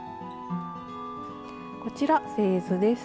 こちら製図です。